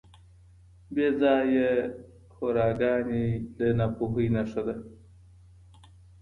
بې ځایه هوراګانې د ناپوهۍ نښه ده.